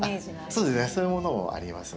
そうですねそういうものもありますね。